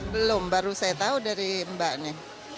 belum baru saya tahu dari mbaknya